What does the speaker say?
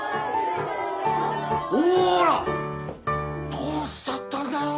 どうしちゃったんだよ！